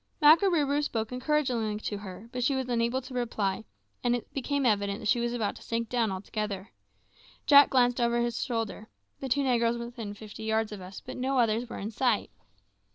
Makarooroo spoke encouragingly to her, but she was unable to reply, and it became evident that she was about to sink down altogether. Jack glanced over his shoulder. The two negroes were within fifty yards of us, but no others were in sight.